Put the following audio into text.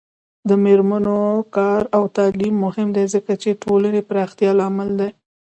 د میرمنو کار او تعلیم مهم دی ځکه چې ټولنې پراختیا لامل دی.